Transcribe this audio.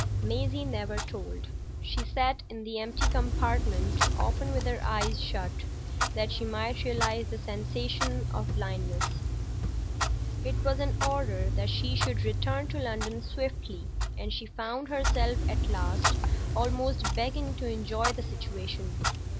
Maisie never told. She sat in the empty compartment often with her eyes shut, that she might realise the sensation of blindness. It was an order that she should return to London swiftly, and she found herself at last almost beginning to enjoy the situation.